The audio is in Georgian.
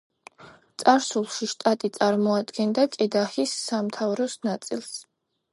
წარსულში შტატი წარმოადგენდა კედაჰის სამთავროს ნაწილს.